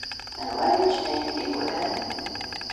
Anwa ara yeččen ayen i d-yeggran?